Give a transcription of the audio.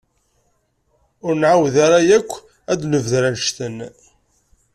Ur nεawed ara yakk ad d-nebder annect-en.